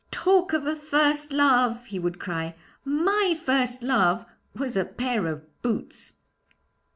"Talk of a first love!" he would cry; "my first love was a pair of boots."'